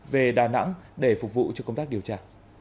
về đà nẵng để phục vụ cho công tác điều tra